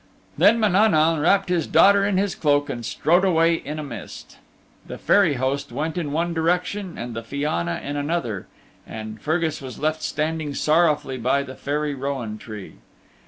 Then Mananaun wrapped his daughter in his cloak and strode away in a mist. The Fairy Host went in one direction and the Fianna in another, and Fergus was left standing sorrowfully by the Fairy Rowan Tree.